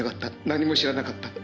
何も知らなかった」